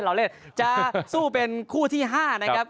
เราเล่นจะสู้เป็นคู่ที่๕นะครับ